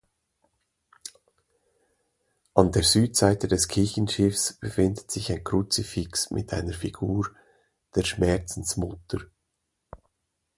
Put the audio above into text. An der Südseite des Kirchenschiffs befindet sich ein Kruzifix mit einer Figur der Schmerzensmutter.